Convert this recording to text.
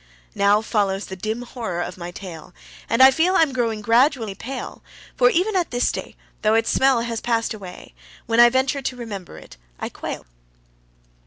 "Now follows the dim horror of my tale, And I feel I'm growing gradually pale, For, even at this day, Though its smell has passed away, When I venture to remember it, I quail!"